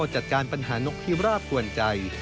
จัดการปัญหานกพิราบกวนใจ